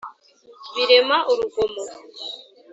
birema urugomo